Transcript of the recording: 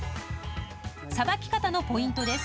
さばき方のポイントです。